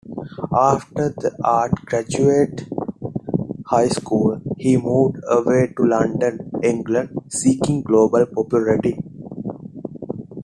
After Theart graduated high school, he moved away to London, England, seeking global popularity.